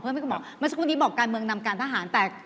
เมื่อสักวันนี้บอกการเมืองนำการทหาร